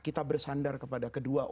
kita bersandar kepada kedua orang itu